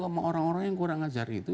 sama orang orang yang kurang ajar itu